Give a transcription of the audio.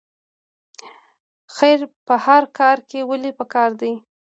خیر په هر کار کې ولې پکار دی؟